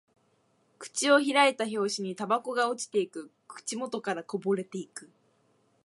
口を開いた拍子にタバコが落ちていく。口元からこぼれていく。